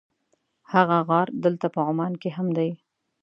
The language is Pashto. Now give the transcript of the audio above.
هغه غار دلته په عمان کې دی.